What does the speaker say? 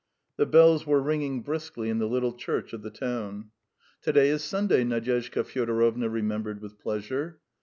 The bells were ringing briskly in the little church of the town. "To day is Sunday!" Nadyezhda Fyodorovna remembered with pleasure.